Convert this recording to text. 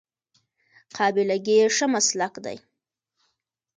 قابله ګي ښه مسلک دی